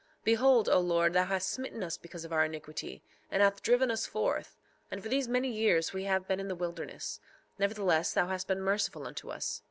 3:3 Behold, O Lord, thou hast smitten us because of our iniquity, and hast driven us forth, and for these many years we have been in the wilderness; nevertheless, thou hast been merciful unto us.